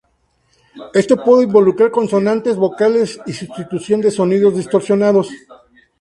Esto puede involucrar consonantes, vocales y sustitución de sonidos distorsionados.